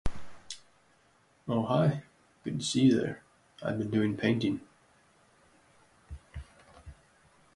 Oh hi, good to see you there? I've been doing painting.